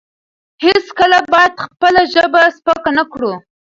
هیڅکله باید خپله ژبه سپکه نه کړو.